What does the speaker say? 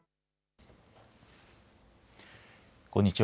こんにちは。